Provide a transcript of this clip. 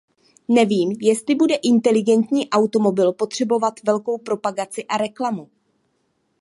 Nevím, jestli bude inteligentní automobil potřebovat velkou propagaci a reklamu.